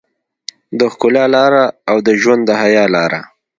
د ښکلا لاره او د ژوند د حيا لاره.